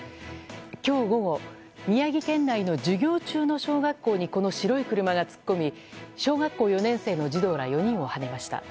今日午後、宮城県内の授業中の小学校にこの白い車が突っ込み小学校４年生の児童ら４人をはねました。